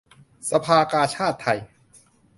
สภากาชาดไทย